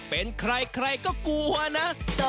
เป็นใครใครก็กลัวนะ